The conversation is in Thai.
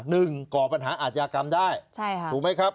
หนึ่งก่อปัญหาอาจจะอากรรมได้ใช่ครับถูกไหมครับ